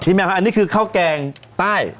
พี่แมวค่ะอันนี้คือข้าวแกงใต้